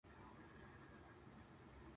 地球平面説